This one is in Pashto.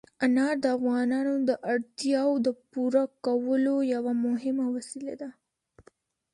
انار د افغانانو د اړتیاوو د پوره کولو یوه مهمه وسیله ده.